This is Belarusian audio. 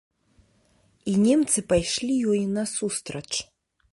І немцы пайшлі ёй насустрач.